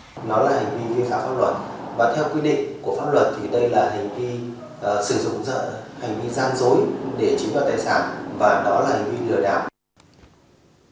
nó là hành vi vi pháp luật và theo quy định của pháp luật thì đây là hành vi sử dụng hành vi gian dối để chính vào tài sản và đó là hành vi lừa đáp